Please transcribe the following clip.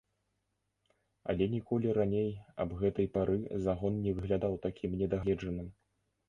Але ніколі раней аб гэтай пары загон не выглядаў такім недагледжаным.